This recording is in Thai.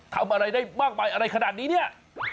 ทำอะไรได้มากมายอะไรขนาดนี้เนี่ย